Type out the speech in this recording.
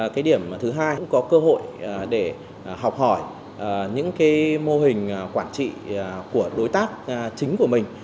cái điểm thứ hai cũng có cơ hội để học hỏi những cái mô hình quản trị của đối tác chính của mình